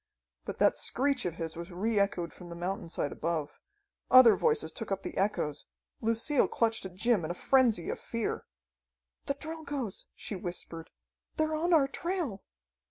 But that screech of his was re echoed from the mountainside above. Other voices took up the echoes. Lucille clutched at Jim in a frenzy of fear. "The Drilgoes!" she whispered. "They're on our trail!"